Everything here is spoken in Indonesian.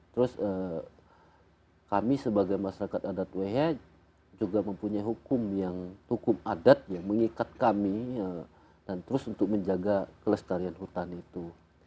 terus kami sebagai masyarakat adat wehea juga mempunyai hukum adat yang mengikat kami untuk menjaga kelestarian hutan itu